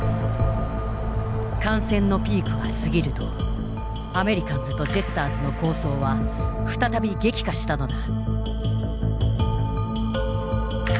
感染のピークが過ぎるとアメリカンズとジェスターズの抗争は再び激化したのだ。